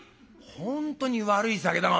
「本当に悪い酒だな